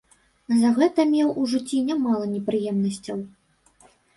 За гэта меў у жыцці нямала непрыемнасцяў.